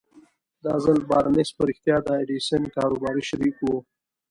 دا ځل بارنس په رښتيا د ايډېسن کاروباري شريک و.